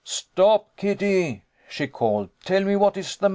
"Stop, Kitty!" she called. "Tell me what is the matter